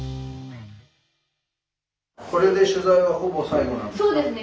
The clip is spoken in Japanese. これで取材はほぼ最後なんですか？